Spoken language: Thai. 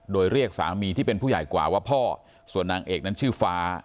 โดยเรียกสามีที่เป็นผู้ใหญ่กว่าว่าพ่อส่วนนางเอกนั้นชื่อฟ้า